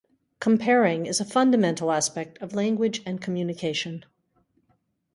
Comparing is a fundamental aspect of language and communication.